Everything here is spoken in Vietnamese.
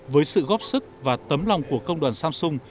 với sự góp sức và tấm lòng của công đoàn samsung